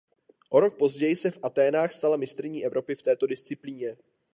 O rok později se v Athénách stala mistryní Evropy v této disciplíně.